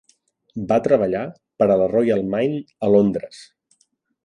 Va treballar per a la Royal Mint a Londres.